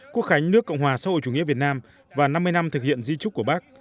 quốc khánh nước cộng hòa xã hội chủ nghĩa việt nam và năm mươi năm thực hiện di trúc của bác